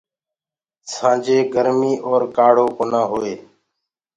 سآنجي گرمي اور کآڙهو ڪونآ هوئي۔